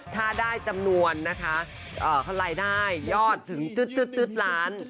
ถ้าได้จำนวนนะคะเขารายได้ยอดถึงจุดล้าน